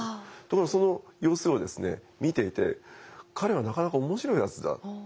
ところがその様子を見ていて彼はなかなか面白いやつだ。